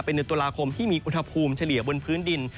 เป็นเดือนตุลาคมที่มีอุณหภูมิเฉลี่ยบนพื้นดิน